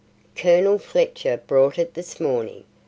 "Colonel Fletcher brought it this morning.